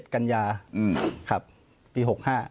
๗กัญญาครับปี๖๕